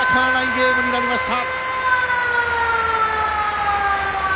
ゲームになりました。